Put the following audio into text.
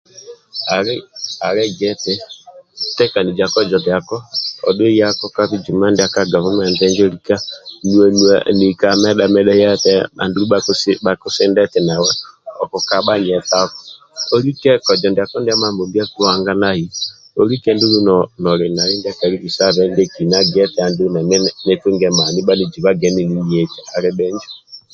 Ali gia eti tekaniza kozo ndiako odhuwe yako ka bijuma sa gavumenti kali lika okumedha medha bijuma bhakusinde eti nawe okukabha nyetako